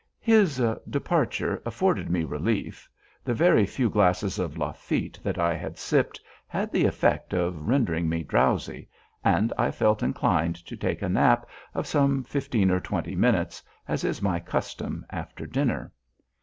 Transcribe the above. His departure afforded me relief. The very few glasses of Lafitte that I had sipped had the effect of rendering me drowsy, and I felt inclined to take a nap of some fifteen or twenty minutes, as is my custom after dinner.